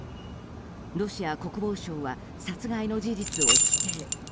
ロシア国防省は殺害の事実を否定。